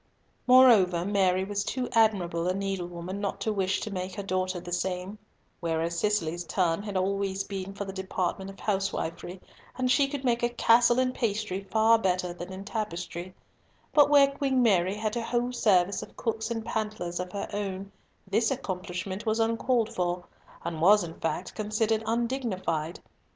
Moreover, Mary was too admirable a needlewoman not to wish to make her daughter the same; whereas Cicely's turn had always been for the department of housewifery, and she could make a castle in pastry far better than in tapestry; but where Queen Mary had a whole service of cooks and pantlers of her own, this accomplishment was uncalled for, and was in fact considered undignified.